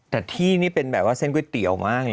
แต่ที่นี่เป็นแบบว่าเส้นก๋วยเตี๋ยวมากเลย